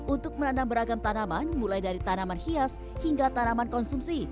untuk menanam beragam tanaman mulai dari tanaman hias hingga tanaman konsumsi